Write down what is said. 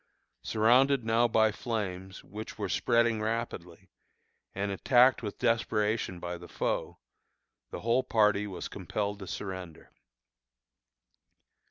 Surrounded now by the flames, which were spreading rapidly, and attacked with desperation by the foe, the whole party was compelled to surrender.